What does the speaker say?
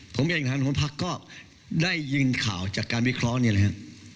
ผมเองทางหัวหน้าพักก็ได้ยินข่าวจากการวิเคราะห์เนี่ยนะครับ